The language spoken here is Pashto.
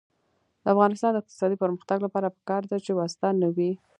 د افغانستان د اقتصادي پرمختګ لپاره پکار ده چې واسطه نه وي.